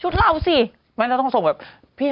พูดอะไรเลยเขาไม่ยุ่งเลย